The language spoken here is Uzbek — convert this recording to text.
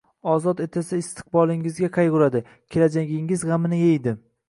Ozod etilsa, istiqbolingizga qayg’uradi, kelajagingiz g’amini yeydi.